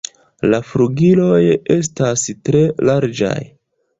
La flugiloj estas tre larĝaj.